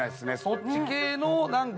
そっち系の何か。